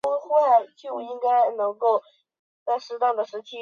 美国新线电影公司出品。